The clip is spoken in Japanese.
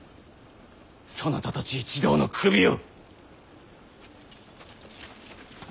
そなたたち一同の首を！